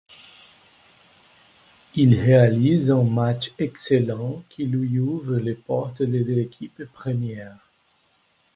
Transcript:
Il réalise un match excellent qui lui ouvre les portes de l'équipe première.